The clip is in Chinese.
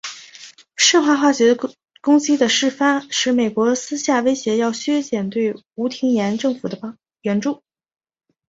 顺化化学攻击的事发使美国私下威胁要削减对吴廷琰政府的援助。